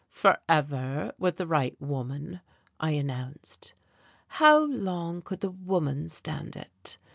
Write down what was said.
"Forever, with the right woman," I announced. "How long could the woman stand it?"....